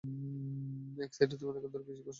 এই সাইটে তুমি অনেকক্ষণ ধরে ভিজিট করছ।